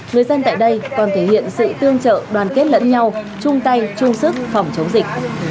người dân tại đây còn thể hiện sự tương trợ đoàn kết lẫn nhau chung tay chung sức phòng chống dịch